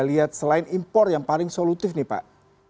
lihat selain impor yang paling solutif nih pak